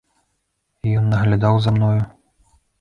Ён наглядаў за мною.